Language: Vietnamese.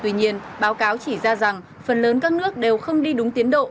tuy nhiên báo cáo chỉ ra rằng phần lớn các nước đều không đi đúng tiến độ